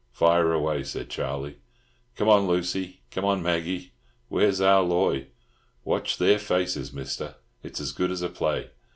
"Fire away," said Charlie. "Come on, Lucy. Come on, Maggie. Where's Ah Loy? Watch their faces, Mister, it's as good as a play.